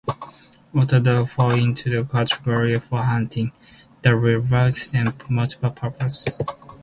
Water dogs fall into two categories for hunting: the retrievers and multi-purpose.